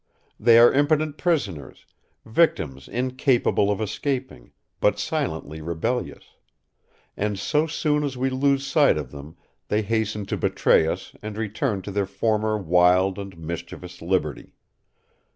They are impotent prisoners, victims incapable of escaping, but silently rebellious; and, so soon as we lose sight of them, they hasten to betray us and return to their former wild and mischievous liberty.